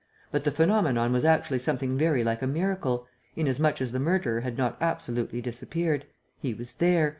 But the phenomenon was actually something very like a miracle, inasmuch as the murderer had not absolutely disappeared. He was there!